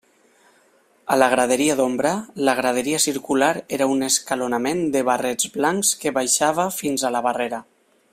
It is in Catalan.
A la graderia d'ombra, la graderia circular era un escalonament de barrets blancs que baixava fins a la barrera.